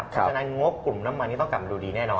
เพราะฉะนั้นงบกลุ่มน้ำมันนี้ต้องกลับมาดูดีแน่นอน